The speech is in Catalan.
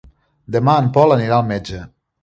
Demà en Pol anirà al metge.